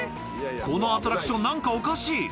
このアトラクション、なんかおかしい。